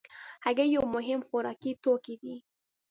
هګۍ یو مهم خوراکي توکی دی.